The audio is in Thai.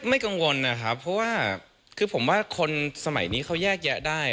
กังวลนะครับเพราะว่าคือผมว่าคนสมัยนี้เขาแยกแยะได้